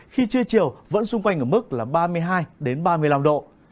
khi trưa chiều vẫn xung quanh ở mức là ba mươi hai ba mươi năm độ